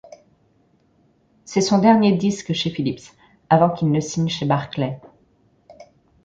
C'est son dernier disque chez Philips, avant qu'il ne signe chez Barclay.